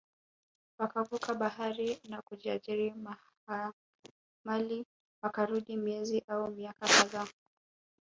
wakavuka bahari na kuajiri mahamali Wakarudi miezi au miaka kadhaa